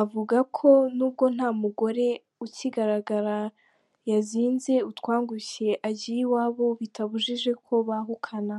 Avuga ko nubwo nta mugore ukigaragara yazinze utwangushye agiye iwabo, bitabujije ko bahukana.